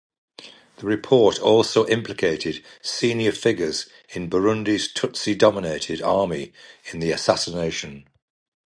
The report also implicated senior figures in Burundi's Tutsi-dominated army in the assassination.